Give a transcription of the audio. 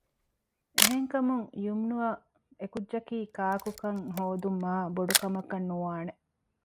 އެހެންކަމުން ޔުމްނުއަށް އެކުއްޖަކީ ކާކުކަން ހޯދުން މާ ބޮޑުކަމަކަށް ނުވާނެ